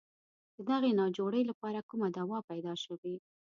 د دغې ناجوړې لپاره کومه دوا پیدا شوې.